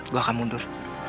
gue akan mundur